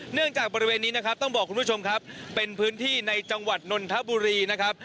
จากบริเวณนี้นะครับต้องบอกคุณผู้ชมครับเป็นพื้นที่ในจังหวัดนนทบุรีนะครับ